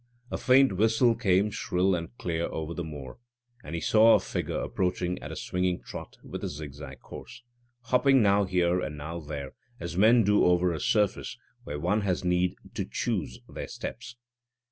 A faint whistle came shrill and clear over the moor, and he saw a figure approaching at a swinging trot, with a zig zag course, hopping now here and now there, as men do over a surface where one has need to choose their steps.